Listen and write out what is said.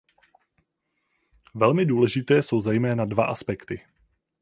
Velmi důležité jsou zejména dva aspekty.